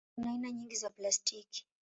Kuna aina nyingi za plastiki.